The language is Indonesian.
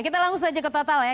kita langsung saja ke total ya